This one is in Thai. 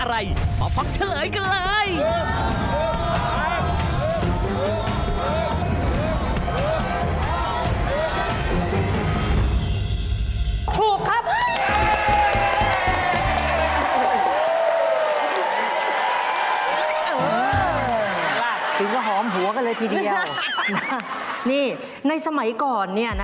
น่าจะเป็นสมัยก่อน